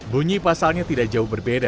bunyi pasalnya tidak jauh berbeda